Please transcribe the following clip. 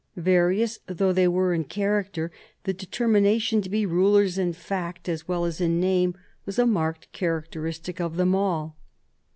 Various though they were in character, the determina tion to be rulers in fact as well as in name was a marked characteristic of them all.